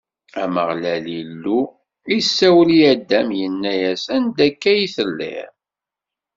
Ameɣlal Illu isawel i Adam, inna-as: Anda akka i telliḍ?